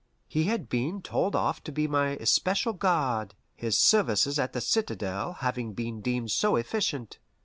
He had been told off to be my especial guard, his services at the citadel having been deemed so efficient.